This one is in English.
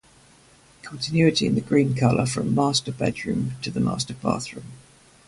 Continuity in the green color from master bedroom to the master bathroom.